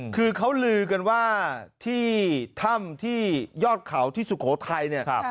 คือเขาลือกันว่าที่ถ้ำที่ยอดเขาที่สุโขทัยเนี่ย